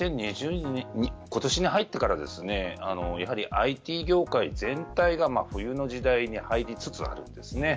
今年に入ってからやはりＩＴ業界全体が冬の時代に入りつつあるんです。